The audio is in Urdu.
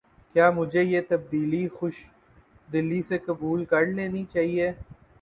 کیا مجھے یہ تبدیلی خوش دلی سے قبول کر لینی چاہیے؟